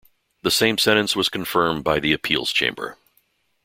The same sentence was confirmed by the appeals chamber.